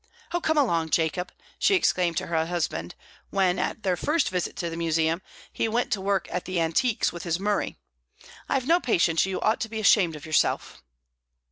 "Oh, come along, Jacob!" she exclaimed to her husband, when, at their first visit to the Museum, he went to work at the antiques with his Murray. "I've no patience! You ought to be ashamed of yourself!"